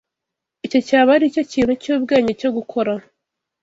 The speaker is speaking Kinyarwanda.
Icyo cyaba aricyo kintu cyubwenge cyo gukora.